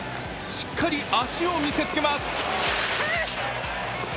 しっかり足を見せつけます。